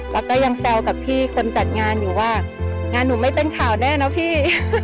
แล้วก็ยังแซวกับพี่คนจัดงานอยู่ว่างานหนูไม่เป็นข่าวแน่นะพี่